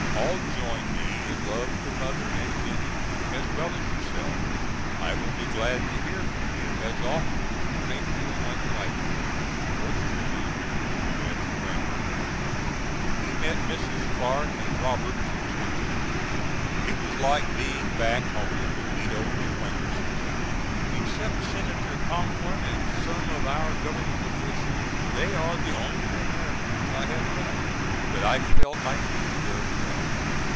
All join me in love to Mother and Jennie as well as yourself. I will be glad to hear from you as often as you may feel like writing. Yours truly, U.S. GRANT. We met Mrs. Clark and Roberts in Switzerland. It was like being back home to meet old acquaintances. Except Senator Conkling and some of our Government officials they are the only Americans I have met that I felt I knew very well.